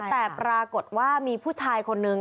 แต่ปรากฏว่ามีผู้ชายคนนึง